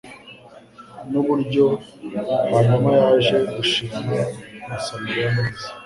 n'uburyo hanyumayaje gushima umusamariya mwiza,